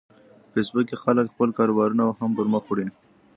په فېسبوک کې خلک خپل کاروبارونه هم پرمخ وړي